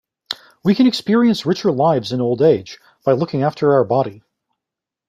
We can experience richer lives in old age by looking after our body.